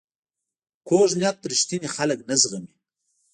کوږ نیت رښتیني خلک نه زغمي